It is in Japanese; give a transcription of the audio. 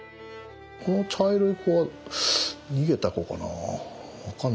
この茶色い子は逃げた子かな。